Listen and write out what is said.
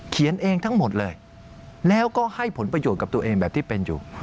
เขียนเองทั้งหมดเลยแล้วก็ให้ผลประโยชน์กับตัวเองแบบที่เป็นอยู่